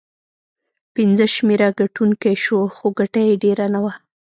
پنځمه شمېره ګټونکی شو، خو ګټه یې ډېره نه وه.